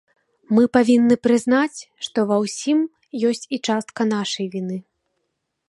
Мы павінны прызнаць, што ва ўсім ёсць і частка нашай віны.